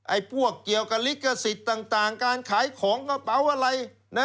พวกเกี่ยวกับลิขสิทธิ์ต่างการขายของกระเป๋าอะไรนะ